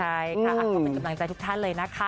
ใช่ค่ะก็เป็นกำลังใจทุกท่านเลยนะคะ